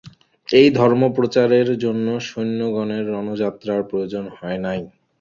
এই ধর্মপ্রচারের জন্য সৈন্যগণের রণযাত্রার প্রয়োজন হয় নাই।